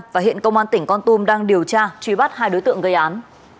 và hiện công an tỉnh con tum đang điều tra truy bắt hai đối tượng gây án